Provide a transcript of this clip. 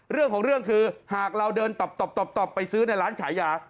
เรื่องของเรื่องคือหากเราเดินต่อไปซื้อในร้านขายยา